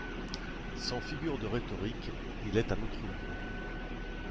Sans figure de rhétorique, il est un autre moi.